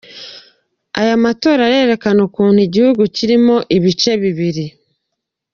Aya matora arerekana ukuntu igihugu kirimo ibice bibiri.